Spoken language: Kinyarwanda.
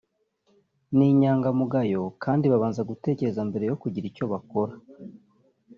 ni inyangamugayo kandi babanza gutekereza mbere yo kugira icyo bakora